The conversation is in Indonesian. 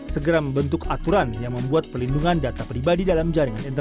segera membentuk aturan yang membuat pelindungan data pribadi dalam jaringan internet